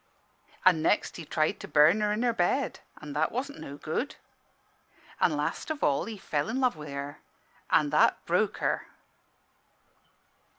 "An' next he tried to burn her in her bed: an' that wasn' no good. "An' last of all he fell i' love wi' her: an' that broke her."